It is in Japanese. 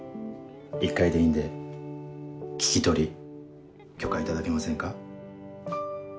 一回でいいんで聞き取り許可頂けませんか？